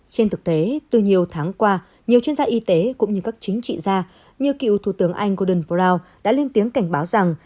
trên thực tế từ nhiều tháng qua nhiều chuyên gia y tế cũng như các chính trị gia như cựu thủ tướng anh golden brow đã lên tiếng cảnh báo rằng